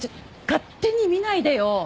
勝手に見ないでよ！